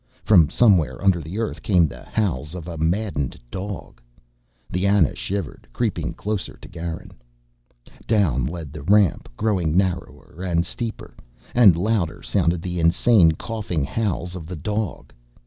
From somewhere under the earth came the howls of a maddened dog. The Ana shivered, creeping closer to Garin. Down led the ramp, growing narrower and steeper. And louder sounded the insane, coughing howls of the dog.